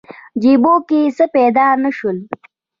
جیبو کې څه پیدا نه شول.